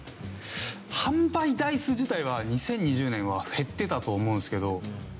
販売台数自体は２０２０年は減ってたと思うんですけど。